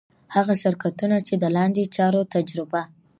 هغه شرکتونه چي د لاندي چارو تجربه